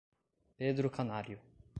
Pedro Canário